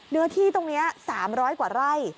เนื้อที่ตรงนี้๓๐๐กว่าไร่